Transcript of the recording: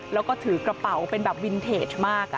แล้วก็ถือกระเป๋าเป็นแบบวินเทจมาก